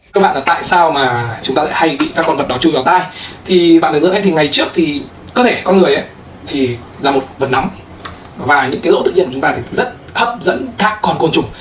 dị vật trong tai là một vật nóng và những rỗ thực nhiên của chúng ta rất hấp dẫn các con côn trùng